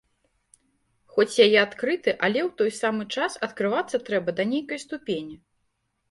Хоць я і адкрыты, але ў той самы час адкрывацца трэба да нейкай ступені.